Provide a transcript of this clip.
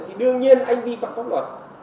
thì đương nhiên anh vi phạt pháp luật